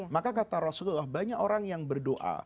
maka kata rasulullah banyak orang yang berdoa